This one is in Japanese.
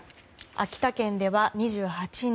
秋田県では２８人